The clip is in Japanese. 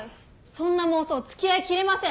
そんな妄想付き合いきれません。